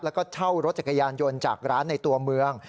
แล้วก็เช่ารถจักรยานยนต์จากร้านในตัวเมือง